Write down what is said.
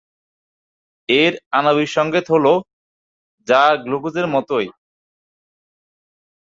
এর আণবিক সংকেত হল যা গ্লুকোজের মতই।